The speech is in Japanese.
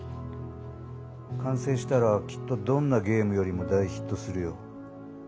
完成したらきっとどんなゲームよりも大ヒットするよ。